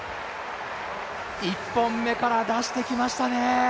１本目から出してきましたね